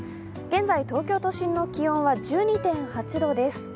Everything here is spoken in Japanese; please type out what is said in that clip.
現在、東京都心の気温は１２．８度です。